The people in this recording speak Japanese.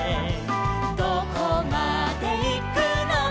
「どこまでいくのか」